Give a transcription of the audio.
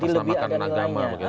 jadi lebih ada nilainya